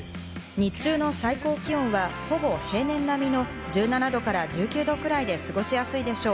日中の最高気温はほぼ平年並みの１７度から１９度くらいで過ごしやすいでしょう。